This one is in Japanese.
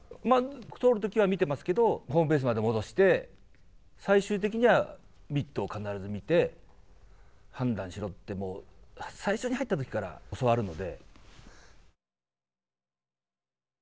通るときは見てますけど、ホームベースまで戻して、最終的にはミットを必ず見て判断しろって、最初に入ったときから教わるので。